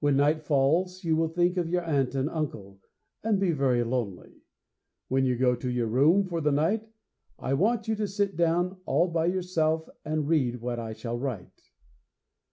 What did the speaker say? When night falls, you will think of your aunt and uncle and be very lonely. When you go to your room for the night I want you to sit down all by yourself and read what I shall write.